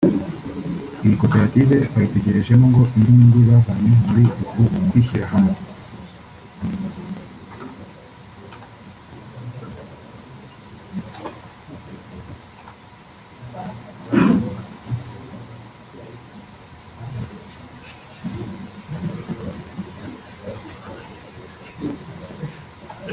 iyi koperative bayitegerejemo ngo indi nyungu bavanye muri uku kwishyira hamwe